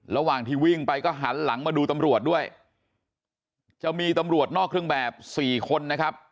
ระหว่างที่วิ่งไปก็หันหลังมาดูตำรวจด้วยจะมีตำรวจนอกเครื่องแบบสี่คนนะครับ